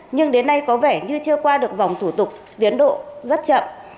nhưng đến nay có vẻ như chưa qua được vòng thủ tục tiến độ rất chậm